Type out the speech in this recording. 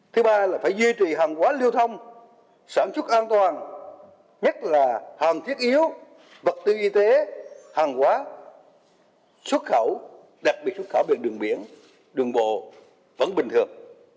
thứ ba là phải duy trì hàng quá lưu thông sản xuất an toàn nhất là hàng thiết yếu vật tư y tế hàng quá xuất khẩu đặc biệt xuất khẩu biển đường biển đường bộ vẫn bình thường